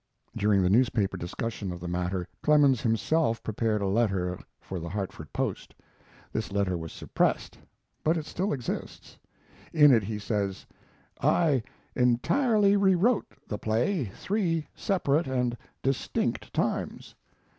During the newspaper discussion of the matter, Clemens himself prepared a letter for the Hartford Post. This letter was suppressed, but it still exists. In it he says: I entirely rewrote the play three separate and distinct times.